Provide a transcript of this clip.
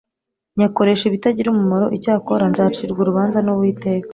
nyakoresha ibitagira umumaro. Icyakora nzacirwa urubanza n'Uwiteka,